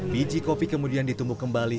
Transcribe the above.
biji kopi kemudian ditumbuh kembali